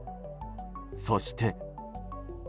そして。